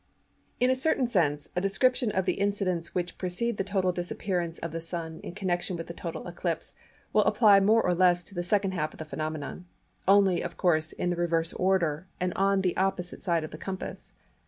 In a certain sense, a description of the incidents which precede the total disappearance of the Sun in connection with a total Eclipse will apply more or less to the second half of the phenomenon; only, of course, in the reverse order and on the opposite side of the compass.